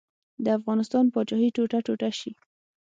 د افغانستان پاچاهي ټوټه ټوټه شي.